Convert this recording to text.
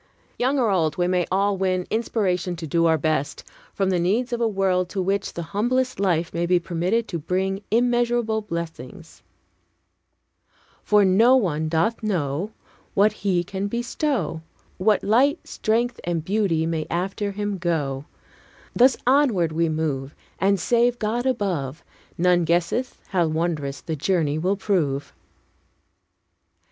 Young or old, we may all win inspiration to do our best, from the needs of a world to which the humblest life may be permitted to bring immeasurable blessings: "For no one doth know What he can bestow, What light, strength, and beauty may after him go: Thus onward we move, And, save God above, None guesseth how wondrous the journey will prove."